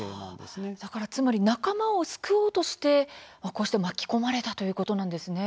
だからつまり仲間を救おうとしてこうして巻き込まれたということなんですね。